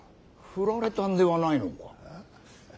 振られたんではないのか。